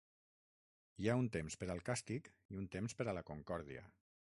Hi ha un temps per al càstig i un temps per a la concòrdia.